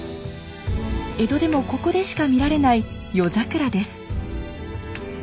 江戸でもここでしか見られない夜桜です。